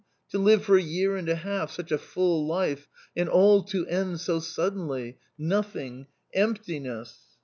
To live for a year and a half such a full life and all to end so suddenly — nothing — emptiness